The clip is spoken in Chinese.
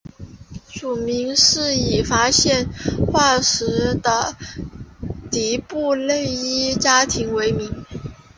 属名是以发现化石的迪布勒伊家庭为名。